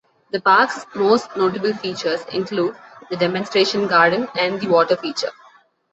The park's most notable features include the demonstration garden and the water feature.